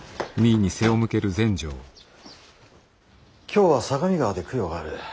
今日は相模川で供養がある。